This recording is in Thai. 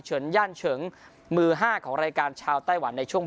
เฉือนย่านเฉืองมือห้าของรายการชาวไต้หวันในช่วง